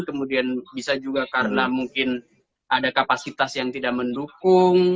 kemudian bisa juga karena mungkin ada kapasitas yang tidak mendukung